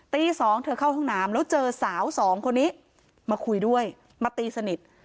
ตีสองเธอเข้าห้องน้ำแล้วเจอสาวสองคนนี้มาคุยด้วยมาตีสนิท